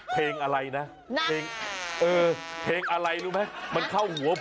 เพลงอะไรนะเพลงเออเพลงอะไรรู้ไหมมันเข้าหัวผม